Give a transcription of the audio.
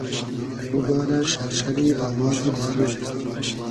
بوبارۂ شئرشئری آوازی بارۉ